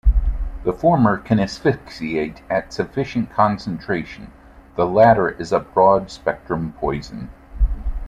The former can asphyxiate at sufficient concentration; the latter is a broad spectrum poison.